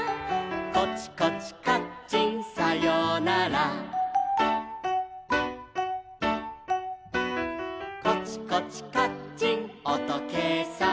「コチコチカッチンさようなら」「コチコチカッチンおとけいさん」